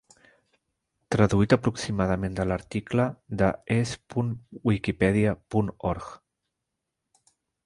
Traduït aproximadament de l'article de es.wikipedia punt org.